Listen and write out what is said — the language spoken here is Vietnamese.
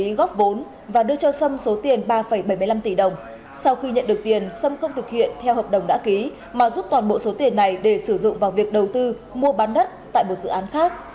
đồng góp vốn và đưa cho sâm số tiền ba bảy mươi năm tỷ đồng sau khi nhận được tiền sâm không thực hiện theo hợp đồng đã ký mà rút toàn bộ số tiền này để sử dụng vào việc đầu tư mua bán đất tại một dự án khác